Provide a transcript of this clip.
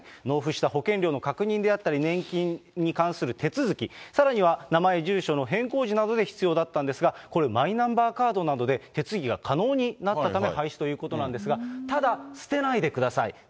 納付した保険料の確認だったり、年金に関する手続き、さらには名前、住所の変更時などで必要だったんですが、これ、マイナンバーカードなどで手続きが可能になったため、廃止ということなんですが、ただ捨てないでください。